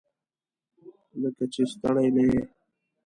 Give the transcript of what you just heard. لکه چې ستړی نه یې؟